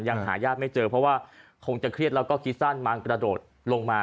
หาญาติไม่เจอเพราะว่าคงจะเครียดแล้วก็คิดสั้นมากระโดดลงมา